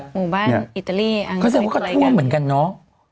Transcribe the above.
หมู่บ้านไอตเตอรี่อังกฏไอเกียงไงเขาบอกว่าเนี่ยทั่วเหมือนกันน้อง